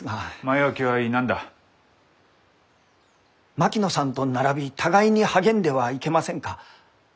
槙野さんと並び互いに励んではいけませんか？